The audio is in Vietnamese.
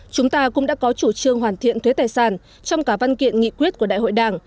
chúng ta cũng đã có chủ trương hoàn thiện thuế tài sản trong cả văn kiện nghị quyết của đại hội đảng